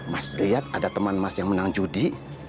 mas lihat ada teman mas yang menang judi